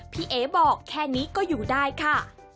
พี่เอ๋บอกแค่นี้ก็อยู่ได้ค่ะ